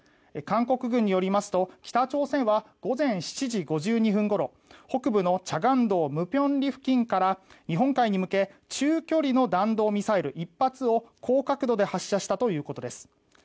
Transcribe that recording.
韓国軍によりますと北朝鮮は午前７時５２分ごろ北部のチャガン道ムピョンリ付近から日本海に向け中距離の弾道ミサイル１発を高角度で発射したということです。